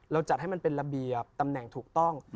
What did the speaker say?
จัดให้มันเป็นระเบียบตำแหน่งถูกต้อง